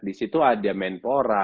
di situ ada mentora